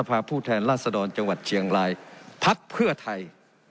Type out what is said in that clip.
ภักดิ์เพื่อไทย